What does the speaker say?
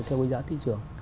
theo giá thị trường